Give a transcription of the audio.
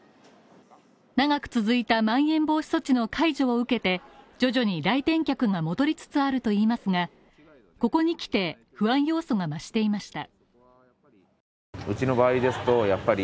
長く続いたまん延防止措置の解除を受けて徐々に来店客が戻りつつあるといいますが、ここにきて不安要素が増していました。